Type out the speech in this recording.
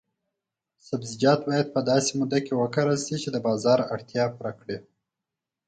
سبزیجات باید په داسې موده کې وکرل شي چې د بازار اړتیا پوره کړي.